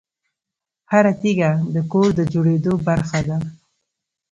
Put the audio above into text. هره تیږه د کور د جوړېدو برخه ده.